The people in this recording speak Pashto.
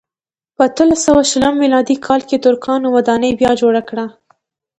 په اتلس سوه شلم میلادي کال ترکانو ودانۍ بیا جوړه کړه.